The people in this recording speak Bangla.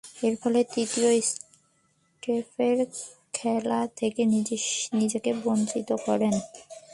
এরফলে তৃতীয় টেস্ট খেলা থেকে নিজেকে বঞ্চিত করেন।